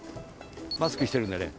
マスクしてるんでね